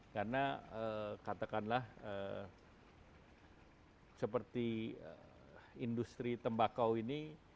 karena katakanlah seperti industri tembakau ini